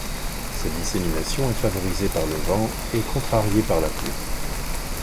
Sa dissémination est favorisée par le vent et contrariée par la pluie.